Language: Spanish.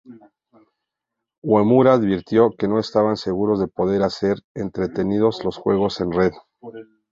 Uemura advirtió que "no estaban seguros de poder hacer entretenidos los juegos en red".